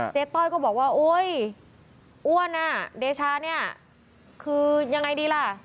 ต้อยก็บอกว่าโอ๊ยอ้วนอ่ะเดชาเนี่ยคือยังไงดีล่ะ